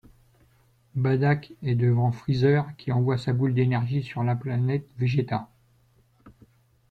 Baddack est devant Freezer, qui envoie sa boule d'énergie sur la planète Vegeta.